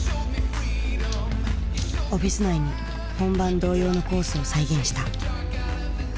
オフィス内に本番同様のコースを再現した。